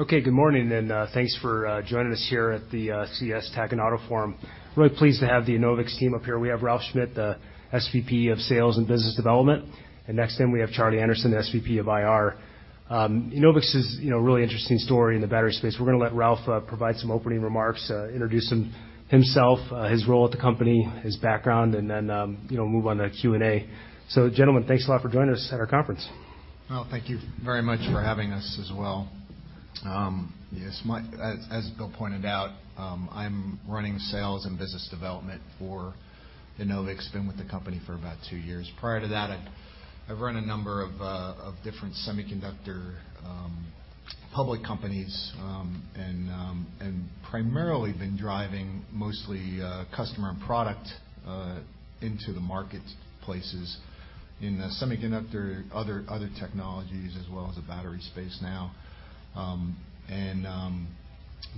Okay. Good morning, and thanks for joining us here at the CES Tech and Auto Forum. Really pleased to have the Enovix team up here. We have Ralph Schmitt, the Senior Vice President of Sales and Business Development. Next to him, we have Charlie Anderson, the Senior Vice President of IR. Enovix is, you know, a really interesting story in the battery space. We're gonna let Ralph provide some opening remarks, introduce himself, his role at the company, his background, and then, you know, move on to Q&A. Gentlemen, thanks a lot for joining us at our conference. Thank you very much for having us as well. Yes, as Bill pointed out, I'm running sales and business development for Enovix. Been with the company for about two years. Prior to that, I've run a number of different semiconductor public companies. Primarily been driving mostly customer and product into the marketplaces in the semiconductor, other technologies, as well as the battery space now.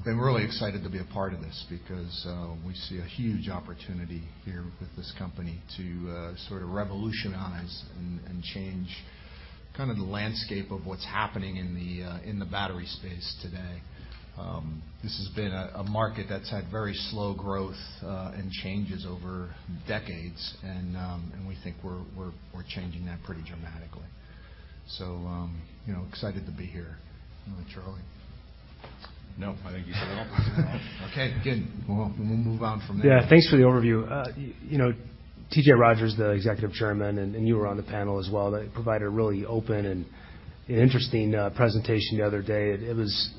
Been really excited to be a part of this because we see a huge opportunity here with this company to sort of revolutionize and change kind of the landscape of what's happening in the battery space today. This has been a market that's had very slow growth and changes over decades, and we think we're changing that pretty dramatically. You know, excited to be here. How about Charlie? Nope. I think you did it all. Okay, good. Well, we'll move on from there. Yeah. Thanks for the overview. You know, T.J. Rodgers, the Executive Chairman, and you were on the panel as well, that provided a really open and interesting presentation the other day.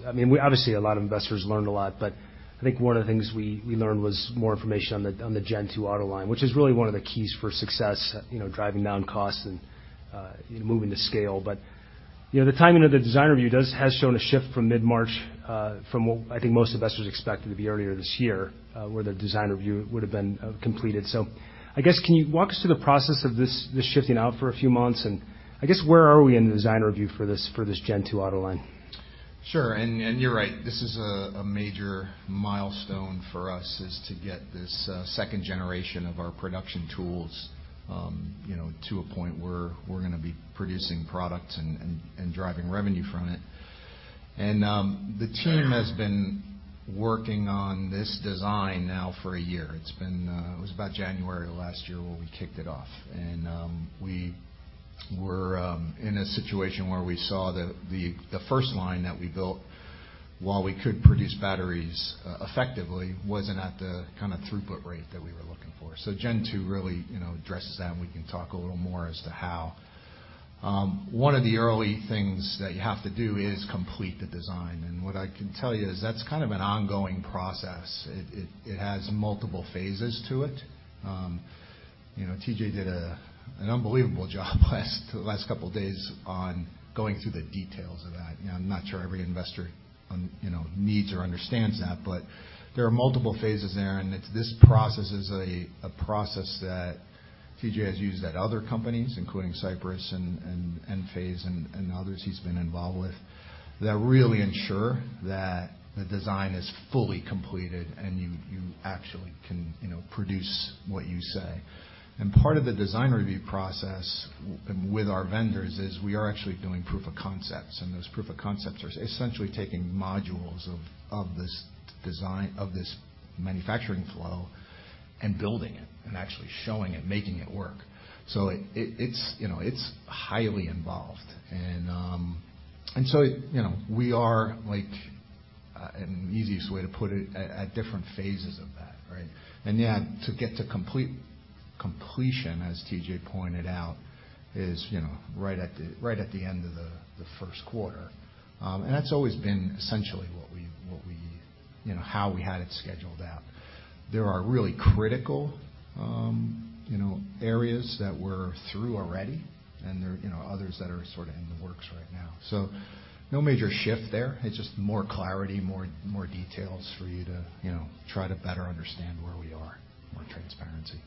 I mean, obviously, a lot of investors learned a lot, but I think one of the things we learned was more information on the Gen2 Autoline, which is really one of the keys for success, you know, driving down costs and moving to scale. You know, the timing of the design review has shown a shift from mid-March, from what I think most investors expected to be earlier this year, where the design review would have been completed. I guess, can you walk us through the process of this shifting out for a few months, and I guess, where are we in the design review for this Gen2 Autoline? Sure. You're right, this is a major milestone for us, is to get this second generation of our production tools, you know, to a point where we're gonna be producing products and driving revenue from it. The team has been working on this design now for 1 year. It was about January of last year where we kicked it off. We were in a situation where we saw the first line that we built, while we could produce batteries effectively, wasn't at the kind of throughput rate that we were looking for. Gen2 really, you know, addresses that, and we can talk a little more as to how. One of the early things that you have to do is complete the design. What I can tell you is that's kind of an ongoing process. It has multiple phases to it. You know, T.J. did an unbelievable job last, the last couple days on going through the details of that. You know, I'm not sure every investor, you know, needs or understands that, but there are multiple phases there, and it's this process is a process that T.J. has used at other companies, including Cypress and Enphase and others he's been involved with, that really ensure that the design is fully completed and you actually can, you know, produce what you say. Part of the design review process with our vendors is we are actually doing proof of concepts, and those proof of concepts are essentially taking modules of this design, of this manufacturing flow and building it and actually showing it, making it work. It, it's, you know, it's highly involved. So, you know, we are like, and the easiest way to put it, at different phases of that, right? Yeah, to get to complete completion, as T.J. pointed out, is, you know, right at the, right at the end of the first quarter. That's always been essentially what we, you know, how we had it scheduled out. There are really critical, you know, areas that we're through already, and there are, you know, others that are sorta in the works right now. No major shift there. It's just more clarity, more, more details for you to, you know, try to better understand where we are, more transparency.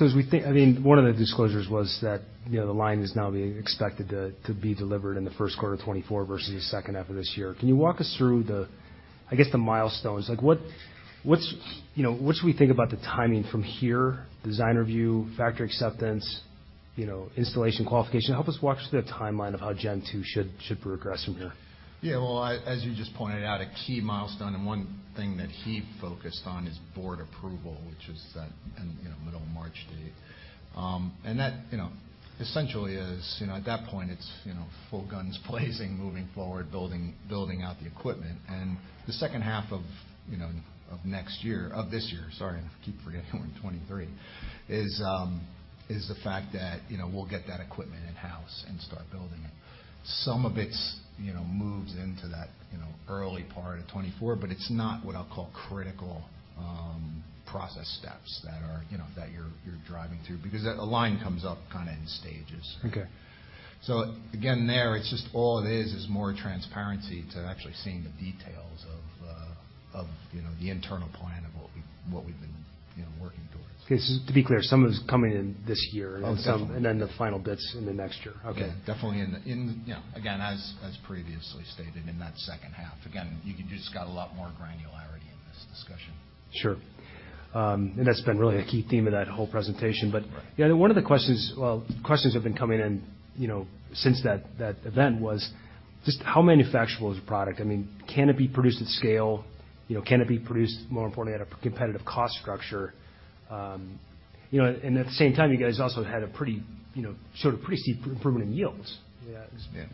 As we think-- I mean, one of the disclosures was that, you know, the line is now being expected to be delivered in the first quarter 2024 versus the second half of this year. Can you walk us through the, I guess, the milestones? Like, what's, you know, what should we think about the timing from here, design review, factory acceptance, you know, installation qualification? Help us walk through the timeline of how Gen2 should progress from here. Well, as you just pointed out, a key milestone and one thing that he focused on is board approval, which is that in, you know, middle of March date. That, you know, essentially is, you know, at that point it's, you know, full guns blazing, moving forward, building out the equipment. The second half of, you know, of this year, sorry, I keep forgetting we're in 2023, is the fact that, you know, we'll get that equipment in-house and start building it. Some of it's, you know, moves into that, you know, early part of 2024, but it's not what I'll call critical process steps that are, you know, that you're driving through because a line comes up kind of in stages. Okay. Again, there, it's just all it is more transparency to actually seeing the details of, you know, the internal plan of what we, what we've been, you know, working towards. Okay. Just to be clear, some of it's coming in this year... Oh, definitely. The final bits in the next year. Okay. Yeah. Definitely in, you know, again, as previously stated, in that second half. Again, you could just got a lot more granularity in this discussion. Sure. That's been really a key theme of that whole presentation. You know, one of the questions have been coming in, you know, since that event was just how manufacturable is the product? I mean, can it be produced at scale? You know, can it be produced, more importantly, at a competitive cost structure? You know, and at the same time, you guys also had a pretty, you know, sort of pretty steep improvement in yields. Yeah. Yeah.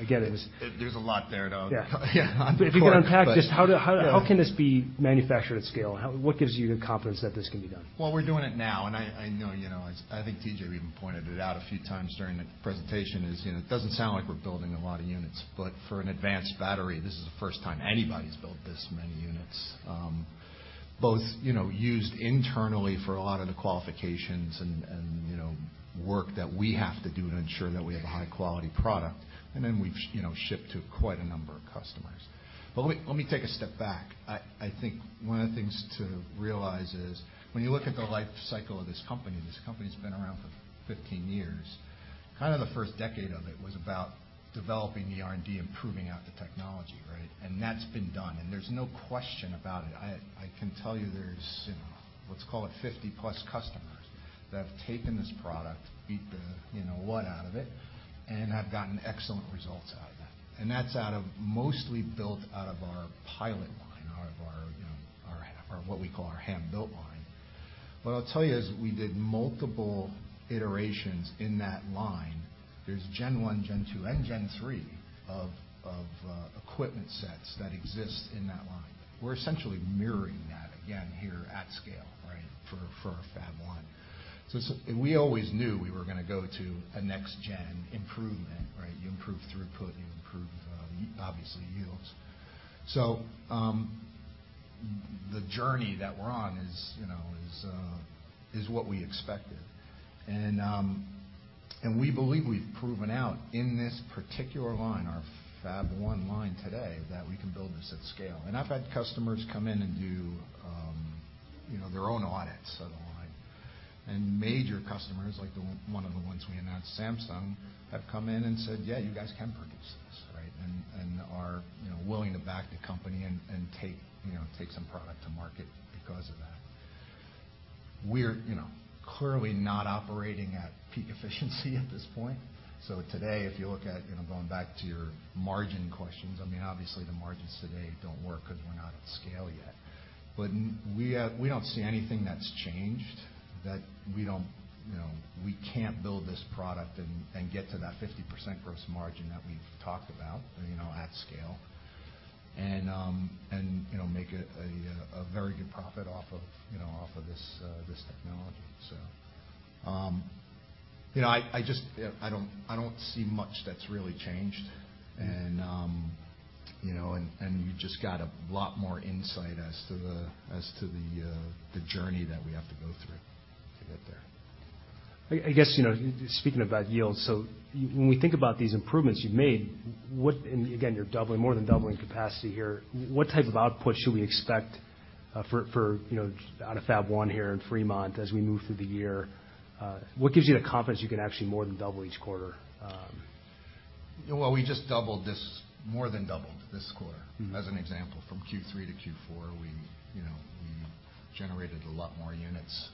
Again, it. There, there's a lot there, though. Yeah. On the board. If you can unpack just how can this be manufactured at scale? What gives you the confidence that this can be done? Well, we're doing it now, and I know, you know, as I think T.J. even pointed it out a few times during the presentation, is, you know, it doesn't sound like we're building a lot of units, but for an advanced battery, this is the first time anybody's built this many units, both, you know, used internally for a lot of the qualifications and, you know, work that we have to do to ensure that we have a high quality product. And then we've you know, shipped to quite a number of customers. But let me, let me take a step back. I think one of the things to realize is when you look at the life cycle of this company, this company's been around for 15 years. Kind of the first decade of it was about developing the R&D and proving out the technology, right? That's been done, and there's no question about it. I can tell you there's, you know, let's call it 50-plus customers that have taken this product, beat the, you know, what out of it, and have gotten excellent results out of it. That's out of mostly built out of our pilot line, out of our, you know, what we call our hand-built line. What I'll tell you is we did multiple iterations in that line. There's Gen1, Gen2, and Gen3 of equipment sets that exist in that line. We're essentially mirroring that again here at scale, right, for our Fab1. We always knew we were gonna go to a next gen improvement, right? You improve throughput, you improve obviously yields. The journey that we're on is, you know, is what we expected. We believe we've proven out in this particular line, our Fab1 line today, that we can build this at scale. I've had customers come in and do, you know, their own audits of the line. Major customers, like one of the ones we announced, Samsung, have come in and said, "Yeah, you guys can produce this," right. Are, you know, willing to back the company and take, you know, some product to market because of that. We're, you know, clearly not operating at peak efficiency at this point. Today, if you look at, you know, going back to your margin questions, I mean, obviously, the margins today don't work because we're not at scale yet. We don't see anything that's changed that we don't, you know, we can't build this product and get to that 50% gross margin that we've talked about, you know, at scale. And, you know, make a very good profit off of, you know, off of this technology. You know, I just, I don't see much that's really changed. And, you know, and you just got a lot more insight as to the, as to the journey that we have to go through to get there. I guess, you know, just speaking about yields, When we think about these improvements you've made, and again, you're doubling, more than doubling capacity here, what type of output should we expect, for, you know, out of Fab1 here in Fremont as we move through the year? What gives you the confidence you can actually more than double each quarter? Well, we just doubled this, more than doubled this quarter. Mm-hmm. As an example, from Q3 to Q4, we, you know, we generated a lot more units.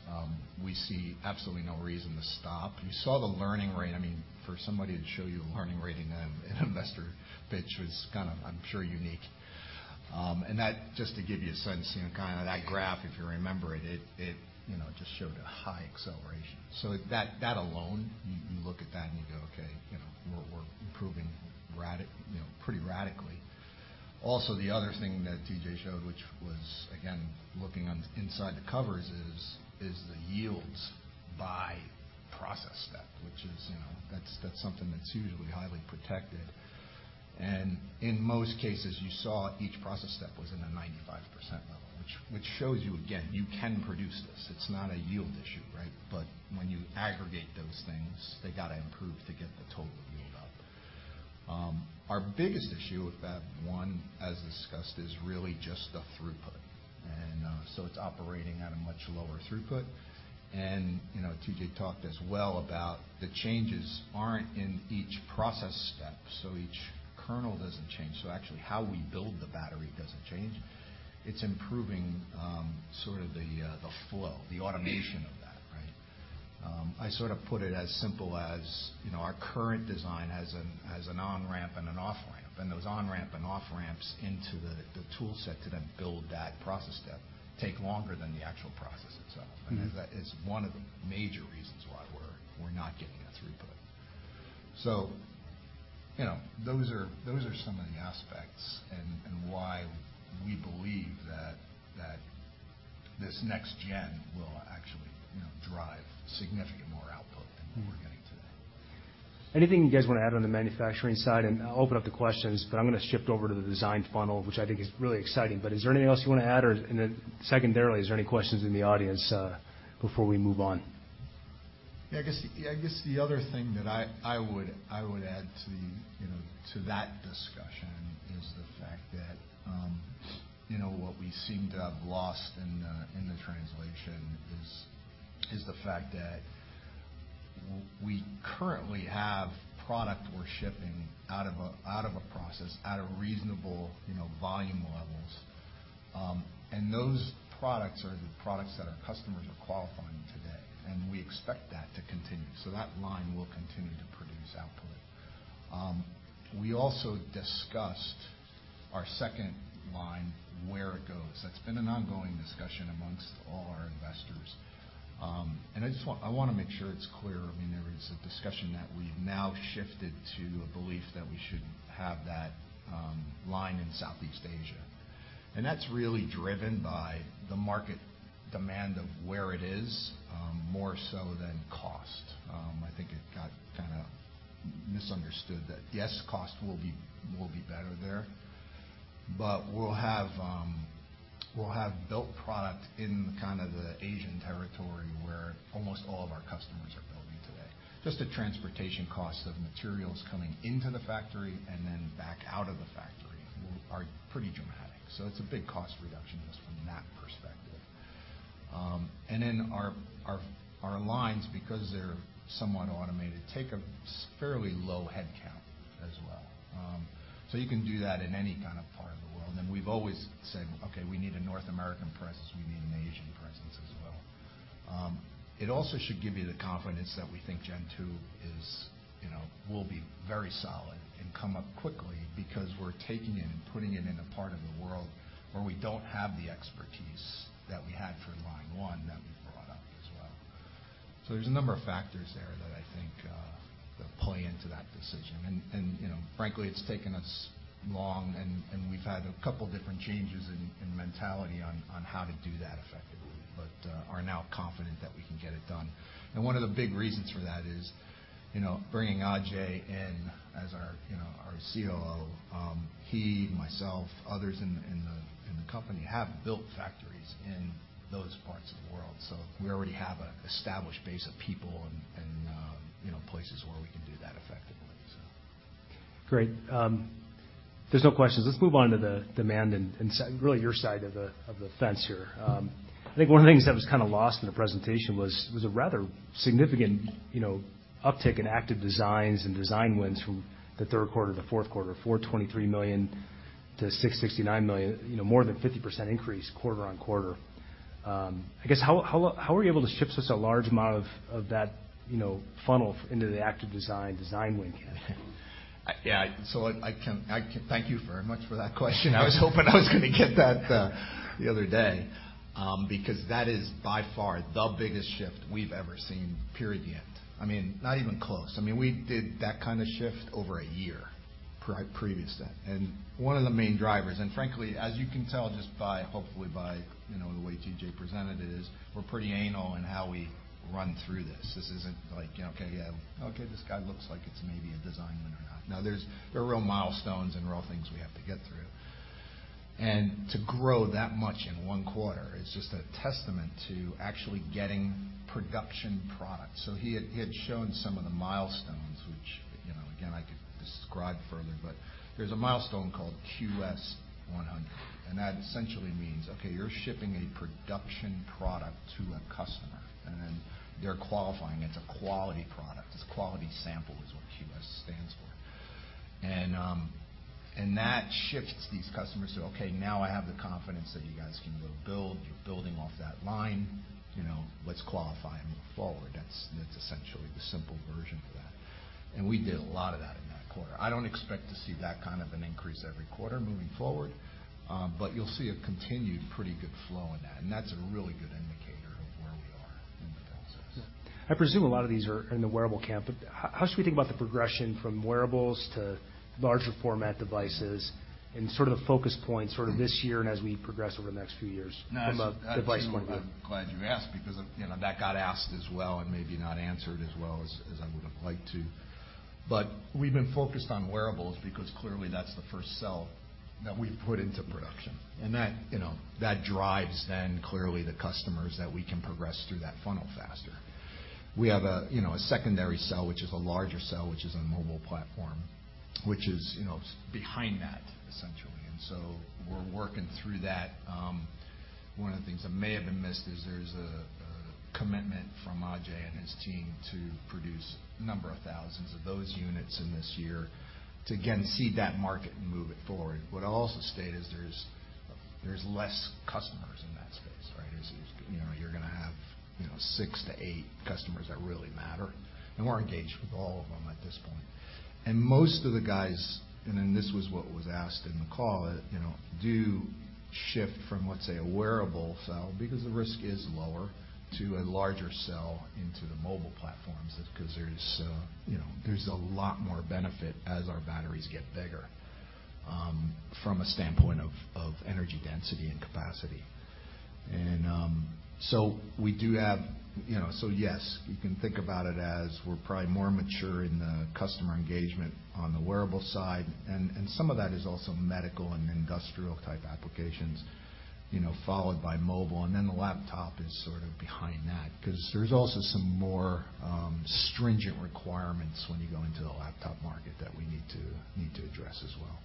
We see absolutely no reason to stop. You saw the learning rate. I mean, for somebody to show you a learning rate in an investor pitch was kind of, I'm sure, unique. And that, just to give you a sense, you know, kind of that graph, if you remember it, you know, just showed a high acceleration. That, that alone, you look at that and you go, "Okay, you know, we're improving, you know, pretty radically." The other thing that T.J. showed, which was again, looking on the inside the covers, is the yields by process step, which is, you know, that's something that's usually highly protected. In most cases, you saw each process step was in the 95% level, which shows you again, you can produce this. It's not a yield issue, right? When you aggregate those things, they gotta improve to get the total yield output. Our biggest issue with Fab1, as discussed, is really just the throughput. So it's operating at a much lower throughput. You know, T.J. talked as well about the changes aren't in each process step, so each kernel doesn't change. So actually, how we build the battery doesn't change. It's improving, sort of the flow, the automation of that, right? I sort of put it as simple as, you know, our current design has an on-ramp and an off-ramp. Those on-ramp and off-ramps into the tool set to then build that process step take longer than the actual process itself. Mm-hmm. That is one of the major reasons why we're not getting that throughput. You know, those are some of the aspects and why we believe that this next gen will actually, you know, drive significant more output than what we're getting today. Anything you guys wanna add on the manufacturing side? I'll open up the questions, but I'm gonna shift over to the design funnel, which I think is really exciting. Is there anything else you wanna add? Secondarily, is there any questions in the audience before we move on? I guess the other thing that I would add to the, you know, to that discussion is the fact that, you know, what we seem to have lost in the translation is the fact that we currently have product we're shipping out of a, out of a process at a reasonable, you know, volume levels. Those products are the products that our customers are qualifying today, and we expect that to continue. That line will continue to produce output. We also discussed our second line, where it goes. That's been an ongoing discussion amongst all our investors. I wanna make sure it's clear. I mean, there is a discussion that we've now shifted to a belief that we should have that line in Southeast Asia. That's really driven by the market demand of where it is, more so than cost. I think it got kinda misunderstood that, yes, cost will be better there, but we'll have built product in kind of the Asian territory where almost all of our customers are building today. Just the transportation cost of materials coming into the factory and then back out of the factory are pretty dramatic. It's a big cost reduction just from that perspective. Our lines, because they're somewhat automated, take a fairly low headcount as well. You can do that in any kind of part of the world. We've always said, "Okay, we need a North American presence. We need an Asian presence as well. It also should give you the confidence that we think Gen2 is, you know, will be very solid and come up quickly because we're taking it and putting it in a part of the world where we don't have the expertise that we had for Fab1 that we brought up as well. There's a number of factors there that I think that play into that decision. You know, frankly, it's taken us long, and we've had a couple different changes in mentality on how to do that effectively, but are now confident that we can get it done. One of the big reasons for that is, you know, bringing Ajay in as our, you know, our Chief Operating Officer. He, myself, others in the company have built factories in those parts of the world. We already have a established base of people and, you know, places where we can do that effectively. Great. There's no questions. Let's move on to the demand and really your side of the, of the fence here. I think one of the things that was kinda lost in the presentation was a rather significant, you know, uptick in active designs and design wins from the third quarter to the fourth quarter, $423 million-$669 million, you know, more than 50% increase quarter-on-quarter. I guess, how were you able to shift such a large amount of that, you know, into the active design win category? I, yeah. I can. Thank you very much for that question. I was hoping I was gonna get that the other day, because that is by far the biggest shift we've ever seen. Period, the end. I mean, not even close. I mean, we did that kind of shift over a year previous to that. One of the main drivers, and frankly, as you can tell just by, hopefully, by, you know, the way T.J. presented it, is we're pretty anal in how we run through this. This isn't like, you know, okay, yeah, okay, this guy looks like it's maybe a design win or not. No, there's, there are real milestones and real things we have to get through. To grow that much in one quarter is just a testament to actually getting production products. He had shown some of the milestones, which, you know, again, I could describe further, but there's a milestone called QS 100, and that essentially means, okay, you're shipping a production product to a customer, and then they're qualifying it. It's a quality product. It's quality sample is what QS stands for. That shifts these customers to, okay, now I have the confidence that you guys can go build. You're building off that line. You know, let's qualify and move forward. That's essentially the simple version for that. We did a lot of that in that quarter. I don't expect to see that kind of an increase every quarter moving forward, but you'll see a continued pretty good flow in that, and that's a really good indicator of where we are in the process. I presume a lot of these are in the wearable camp, but how should we think about the progression from wearables to larger format devices and sort of the focus points sort of this year and as we progress over the next few years from a device point of view? That's something I'm glad you asked because, you know, that got asked as well and maybe not answered as well as I would have liked to. We've been focused on wearables because clearly that's the first cell that we've put into production. That, you know, that drives clearly the customers that we can progress through that funnel faster. We have a, you know, a secondary cell, which is a larger cell, which is a mobile platform, which is, you know, behind that essentially. We're working through that. One of the things that may have been missed is there's a commitment from Ajay and his team to produce a number of thousands of those units in this year to again seed that market and move it forward. What I'll also state is there's less customers in that space, right? It's, you know, you're gonna have, you know, six to eight customers that really matter, and we're engaged with all of them at this point. Most of the guys, and then this was what was asked in the call, you know, do shift from, let's say, a wearable cell, because the risk is lower, to a larger cell into the mobile platforms just 'cause there's, you know, there's a lot more benefit as our batteries get bigger, from a standpoint of energy density and capacity. We do have, you know, so yes, you can think about it as we're probably more mature in the customer engagement on the wearable side, and some of that is also medical and industrial type applications, you know, followed by mobile, and then the laptop is sort of behind that. There's also some more stringent requirements when you go into the laptop market that we need to address as well.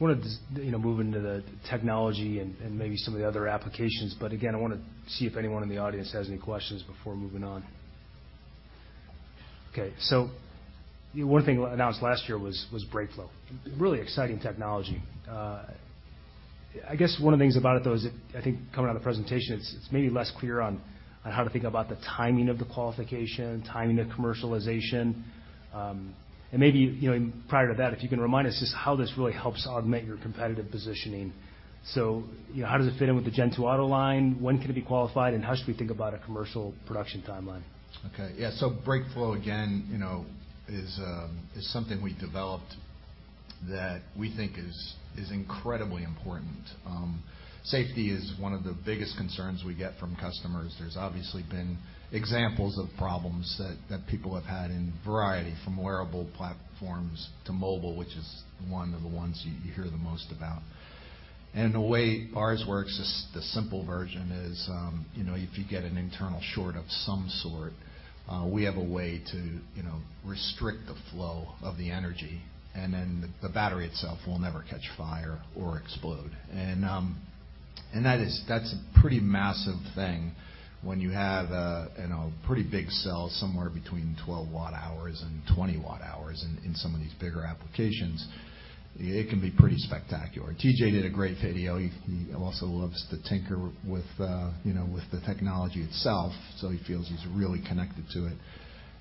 Wanted to, you know, move into the technology and maybe some of the other applications. Again, I wanna see if anyone in the audience has any questions before moving on. Okay. One thing announced last year was BrakeFlow. Really exciting technology. I guess one of the things about it, though, is I think coming out of the presentation, it's maybe less clear on how to think about the timing of the qualification, timing of commercialization. Maybe, you know, prior to that, if you can remind us just how this really helps augment your competitive positioning. You know, how does it fit in with the Gen2 Autoline? When can it be qualified, and how should we think about a commercial production timeline? Okay. Yeah. BrakeFlow, again, you know, is something we developed that we think is incredibly important. Safety is one of the biggest concerns we get from customers. There's obviously been examples of problems that people have had in variety, from wearable platforms to mobile, which is one of the ones you hear the most about. The way ours works, the simple version is, you know, if you get an internal short of some sort, we have a way to, you know, restrict the flow of the energy, and then the battery itself will never catch fire or explode. That's a pretty massive thing when you have, you know, pretty big cells, somewhere between 12 Wh and 20 Wh in some of these bigger applications. It can be pretty spectacular. T.J. did a great video. He also loves to tinker with, you know, with the technology itself, so he feels he's really connected to it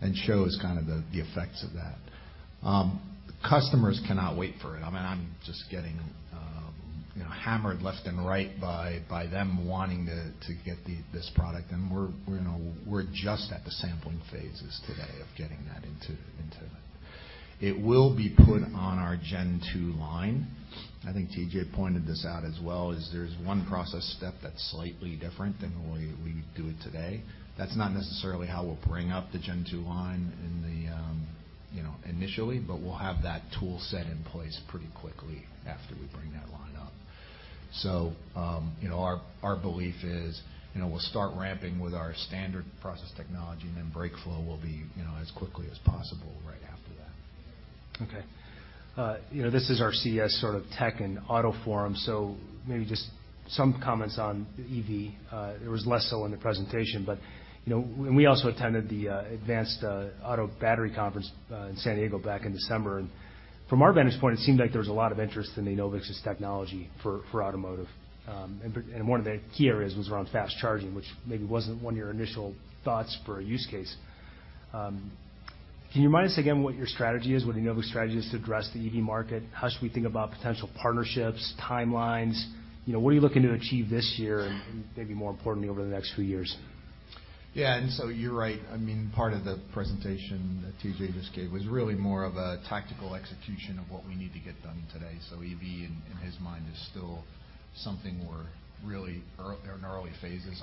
and shows kind of the effects of that. Customers cannot wait for it. I mean, I'm just getting, you know, hammered left and right by them wanting to get this product, and we're, you know, we're just at the sampling phases today of getting that into. It will be put on our Gen2 line. I think T.J. pointed this out as well, is there's one process step that's slightly different than the way we do it today. That's not necessarily how we'll bring up the Gen2 line in the, you know, initially, but we'll have that tool set in place pretty quickly after we bring that line up. you know, our belief is, you know, we'll start ramping with our standard process technology, and then BrakeFlow will be, you know, as quickly as possible right after that. Okay. You know, this is our CES sort of tech and auto forum, so maybe just some comments on EV. It was less so in the presentation, but, you know, we also attended the Advanced Automotive Battery Conference in San Diego back in December. From our vantage point, it seemed like there was a lot of interest in Enovix's technology for automotive. One of the key areas was around fast charging, which maybe wasn't one of your initial thoughts for a use case. Can you remind us again what your strategy is, what Enovix strategy is to address the EV market? How should we think about potential partnerships, timelines? You know, what are you looking to achieve this year and maybe more importantly over the next few years? Yeah. You're right. I mean, part of the presentation that T.J. just gave was really more of a tactical execution of what we need to get done today. EV in his mind is still something we're really in early phases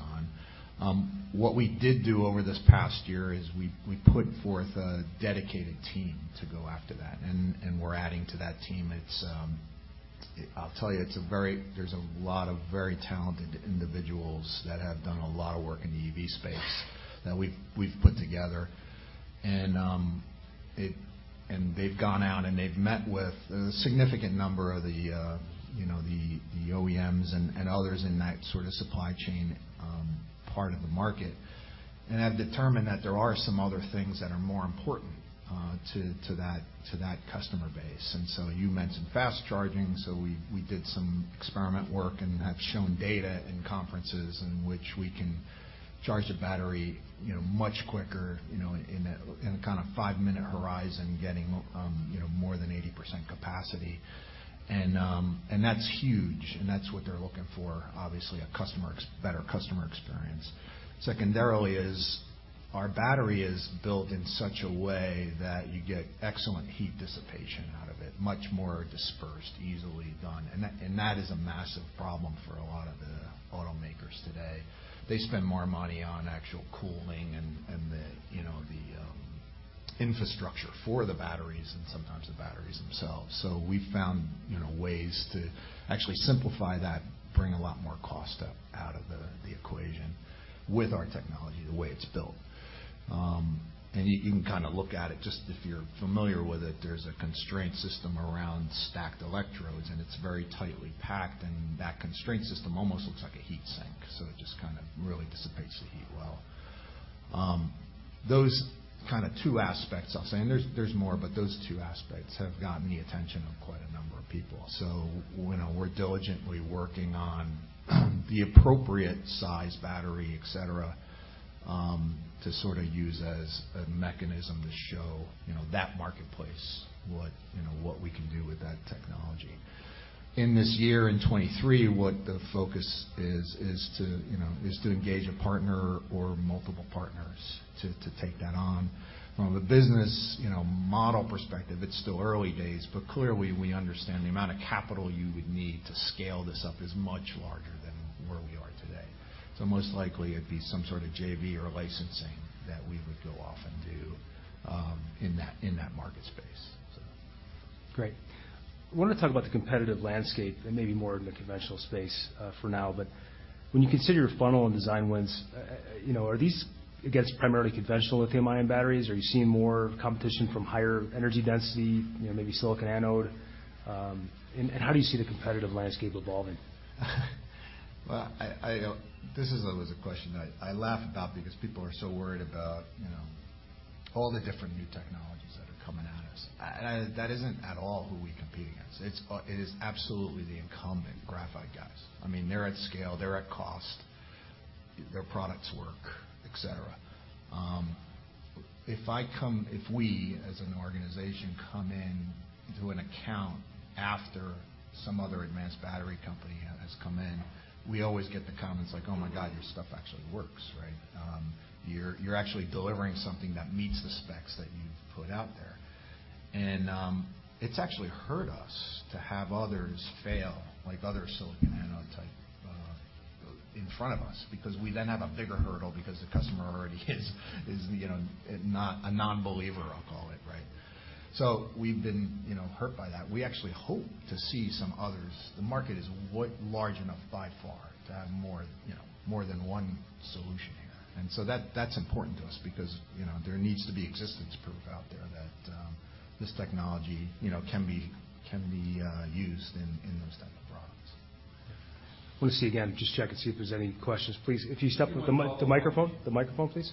on. What we did do over this past year is we put forth a dedicated team to go after that, and we're adding to that team. It's, I'll tell you, there's a lot of very talented individuals that have done a lot of work in the EV space that we've put together. They've gone out, and they've met with a significant number of the, you know, the OEMs and others in that sort of supply chain part of the market, and have determined that there are some other things that are more important to that customer base. You mentioned fast charging, we did some experiment work and have shown data in conferences in which we can charge a battery, you know, much quicker, you know, in a kind of five-minute horizon, getting, you know, more than 80% capacity. That's huge, and that's what they're looking for, obviously, a better customer experience. Secondarily is our battery is built in such a way that you get excellent heat dissipation out of it, much more dispersed, easily done. That is a massive problem for a lot of the automakers today. They spend more money on actual cooling and the, you know, the infrastructure for the batteries and sometimes the batteries themselves. We found, you know, ways to actually simplify that, bring a lot more cost out of the equation with our technology, the way it's built. You can kinda look at it, just if you're familiar with it, there's a constraint system around stacked electrodes, and it's very tightly packed, and that constraint system almost looks like a heat sink, so it just kinda really dissipates the heat well. Those kinda two aspects, I'll say, and there's more, but those two aspects have gotten the attention of quite a number of people. You know, we're diligently working on the appropriate size battery, et cetera, to sort of use as a mechanism to show, you know, that marketplace what, you know, what we can do with that technology. In this year, in 2023, what the focus is to, you know, is to engage a partner or multiple partners to take that on. From a business, you know, model perspective, it's still early days, but clearly we understand the amount of capital you would need to scale this up is much larger than where we are today. Most likely it'd be some sort of JV or licensing that we would go off and do in that market space. Great. Wanna talk about the competitive landscape and maybe more in the conventional space, for now. When you consider your funnel and design wins, you know, are these against primarily conventional lithium-ion batteries? Are you seeing more competition from higher energy density, you know, maybe silicon anode? How do you see the competitive landscape evolving? Well, this is always a question that I laugh about because people are so worried about, you know, all the different new technologies that are coming at us. That isn't at all who we're competing against. It's, it is absolutely the incumbent graphite guys. I mean, they're at scale, they're at cost, their products work, et cetera. If we as an organization come in to an account after some other advanced battery company has come in, we always get the comments like, "Oh my God, your stuff actually works," right? You're, you're actually delivering something that meets the specs that you've put out there." It's actually hurt us to have others fail, like other silicon anode type, in front of us, because we then have a bigger hurdle because the customer already is, you know, a non, a non-believer, I'll call it, right? We've been, you know, hurt by that. We actually hope to see some others. The market is large enough by far to have more than, you know, more than one solution here. That, that's important to us because, you know, there needs to be existence proof out there that, this technology, you know, can be, used in those types of products. Let me see again. Just check and see if there's any questions. Please, if you step up to the microphone. The microphone, please.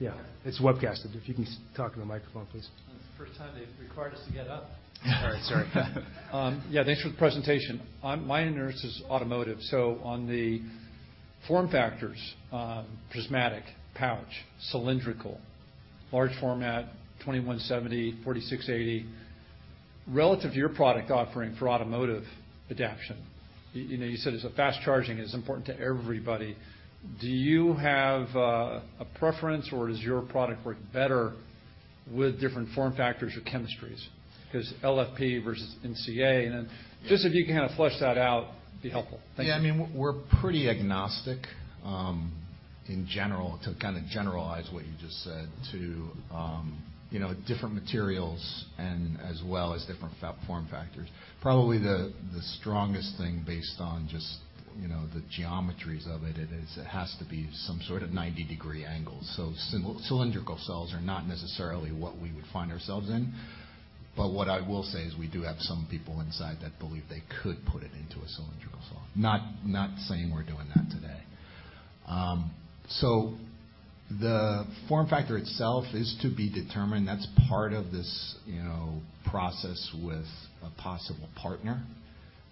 Yeah, it's webcasted. If you can talk in the microphone, please. This is the first time they've required us to get up. All right. Sorry. Yeah, thanks for the presentation. My interest is automotive. On the form factors, prismatic, pouch, cylindrical, large format, 2170, 4680. Relative to your product offering for automotive adaption, you know, you said as a fast charging is important to everybody. Do you have a preference or does your product work better with different form factors or chemistries? 'Cause LFP versus NCA. Just if you can kinda flesh that out, it'd be helpful. Thank you. I mean, we're pretty agnostic, in general, to kinda generalize what you just said to, you know, different materials and as well as different form factors. Probably the strongest thing based on just, you know, the geometries of it is it has to be some sort of 90-degree angle. Cylindrical cells are not necessarily what we would find ourselves in. What I will say is we do have some people inside that believe they could put it into a cylindrical cell. Not saying we're doing that today. The form factor itself is to be determined. That's part of this, you know, process with a possible partner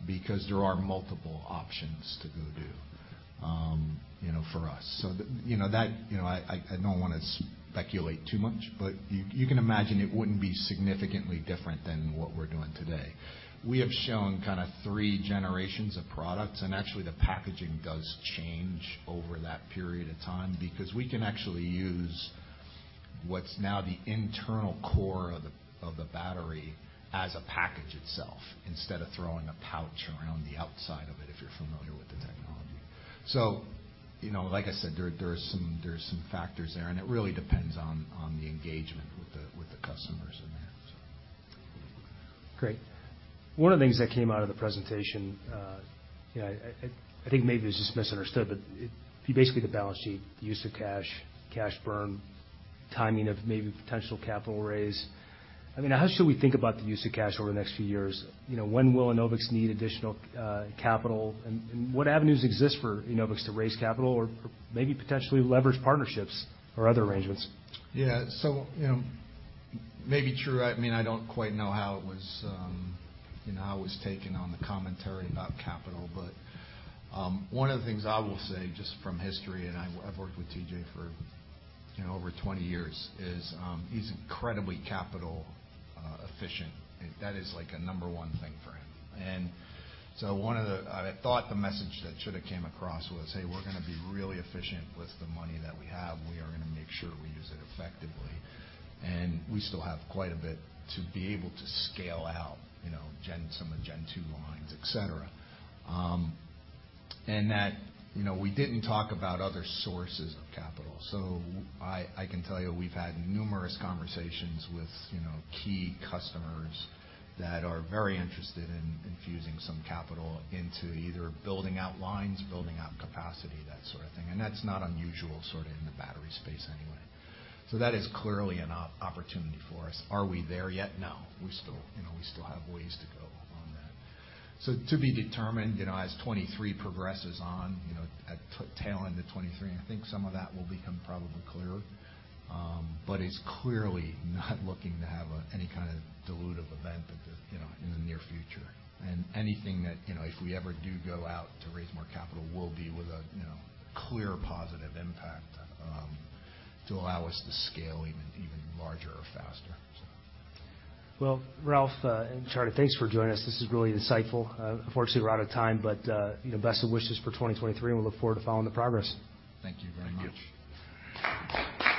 because there are multiple options to go do, you know, for us. You know, that, you know, I don't wanna speculate too much, but you can imagine it wouldn't be significantly different than what we're doing today. We have shown kinda three generations of products, and actually the packaging does change over that period of time because we can actually use what's now the internal core of the battery as a package itself instead of throwing a pouch around the outside of it, if you're familiar with the technology. You know, like I said, there are some factors there, and it really depends on the engagement with the customers in that. Great. One of the things that came out of the presentation, you know, I, I think maybe it was just misunderstood, but basically the balance sheet, use of cash burn, timing of maybe potential capital raise. I mean, how should we think about the use of cash over the next few years? You know, when will Enovix need additional, capital? What avenues exist for Enovix to raise capital or maybe potentially leverage partnerships or other arrangements? You know, maybe true. I mean, I don't quite know how it was, you know, how it was taken on the commentary about capital. One of the things I will say just from history, and I've worked with T.J. for, you know, over 20 years, is he's incredibly capital efficient. That is like a number one thing for him. I thought the message that should have came across was, "Hey, we're gonna be really efficient with the money that we have. We are gonna make sure we use it effectively." We still have quite a bit to be able to scale out, you know, some of the Gen2 lines, et cetera. That, you know, we didn't talk about other sources of capital. I can tell you we've had numerous conversations with, you know, key customers that are very interested in infusing some capital into either building out lines, building out capacity, that sort of thing. That's not unusual sort of in the battery space anyway. That is clearly an opportunity for us. Are we there yet? No. We still, you know, we still have ways to go on that. To be determined, you know, as 2023 progresses on, you know, at the tail end of 2023, I think some of that will become probably clearer. It's clearly not looking to have any kind of dilutive event at the, you know, in the near future. Anything that, you know, if we ever do go out to raise more capital will be with a, you know, clear positive impact to allow us to scale even larger or faster. Well, Ralph, and Charlie, thanks for joining us. This is really insightful. Unfortunately, we're out of time. You know, best of wishes for 2023. We look forward to following the progress. Thank you very much. Thank you.